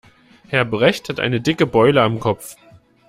Herr Brecht hat eine dicke Beule am Kopf.